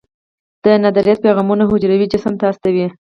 دندرایت پیغامونه حجروي جسم ته استوي.